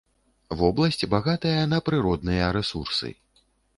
Вобласць багатая на прыродныя рэсурсы.